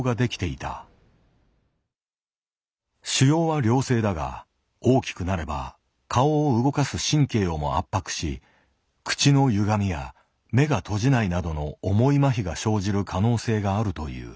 腫瘍は良性だが大きくなれば顔を動かす神経をも圧迫し口のゆがみや目が閉じないなどの重い麻痺が生じる可能性があるという。